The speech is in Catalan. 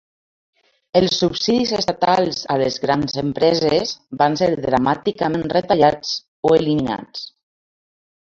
Els subsidis estatals a les grans empreses van ser dramàticament retallats o eliminats.